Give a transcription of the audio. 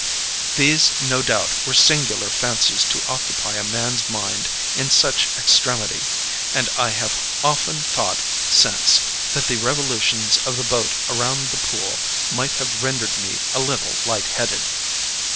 "These, no doubt, were singular fancies to occupy a man's mind in such extremity and I have often thought since that the revolutions of the boat around the pool might have rendered me a little light headed.